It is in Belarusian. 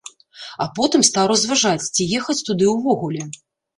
А потым стаў разважаць, ці ехаць туды ўвогуле.